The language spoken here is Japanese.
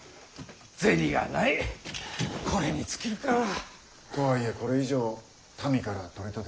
銭がないこれに尽きるか。とはいえこれ以上民から取り立てるわけにも。